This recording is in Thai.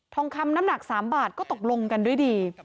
งคำน้ำหนัก๓บาทก็ตกลงกันด้วยดี